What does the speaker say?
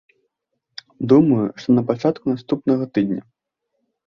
Думаю, што на пачатку наступнага тыдня.